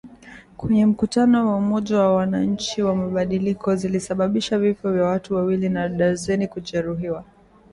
Kwenye mkutano wa Umoja wa Wananchi wa Mabadiliko zilisababisha vifo vya watu wawili na darzeni kujeruhiwa.